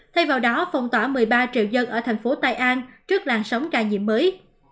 thay vào đó phong tỏa một mươi ba triệu dân ở thành phố tây an trước làn sóng ca nhiễm mới